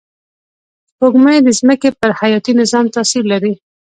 سپوږمۍ د ځمکې پر حیاتي نظام تأثیر لري